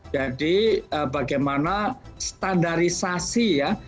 jadi bagaimana standarisasi ya